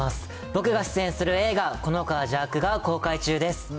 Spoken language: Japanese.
僕が出演する映画、この子は邪悪が公開中です。